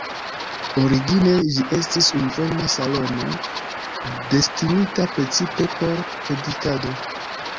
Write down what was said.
Origine ĝi estis unuforma salono, destinita precipe por predikado.